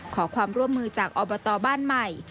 ขอความร่วมมือจากอบตบ้านใหม่